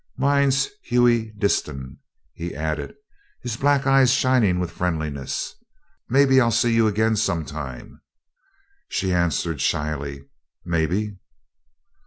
"Mine's Hughie Disston," he added, his black eyes shining with friendliness. "Maybe I'll see you again sometime." She answered shyly: "Maybe."